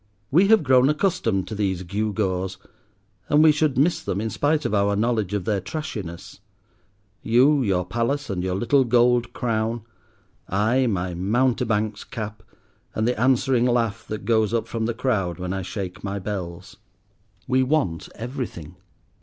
We have grown accustomed to these gew gaws, and we should miss them in spite of our knowledge of their trashiness: you, your palace and your little gold crown; I, my mountebank's cap, and the answering laugh that goes up from the crowd when I shake my bells. We want everything.